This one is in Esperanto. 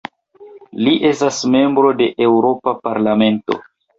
Li estas membro de Eŭropa parlamento.